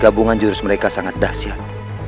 gabungan jurus mereka sangat dahsyat